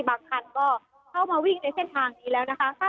บางคันก็เข้ามาวิ่งในเส้นทางนี้แล้วนะคะ